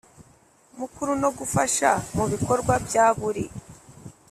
Mukuru no gufasha mu bikorwa bya buri